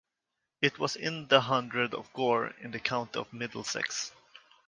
It was in the Hundred of Gore in the county of Middlesex.